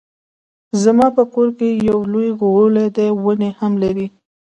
زما په کور کې يو لوی غولی دی ونې هم دي